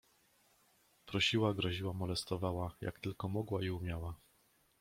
"Prosiła, groziła, molestowała, jak tylko mogła i umiała."